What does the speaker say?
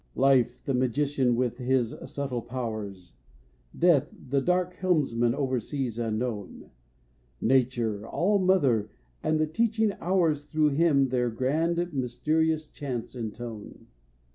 Life, the magician, with his subtle powers, Death, the dark helmsman over seas unknown, Nature, all mother, and the teaching hours Through him their grand, mysterious chants intone.